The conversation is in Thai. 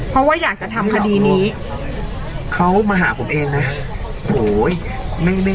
เพราะว่าอยากจะทำคดีนี้เขามาหาผมเองนะ